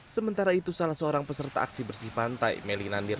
sementara itu salah seorang peserta aksi bersih pantai meli nandir